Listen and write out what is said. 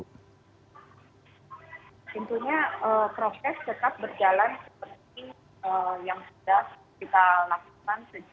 tentunya proses tetap berjalan seperti ini